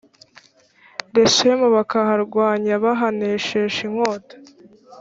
leshemu bakaharwanya bahaneshesha inkota